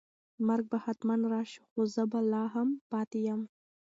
مرګ به حتماً راشي خو زه به لا هم پاتې یم.